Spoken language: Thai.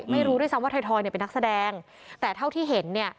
ไม่รู้ด้วยซ้ำว่าถอยเนี่ยเป็นนักแสดงแต่เท่าที่เห็นเนี่ย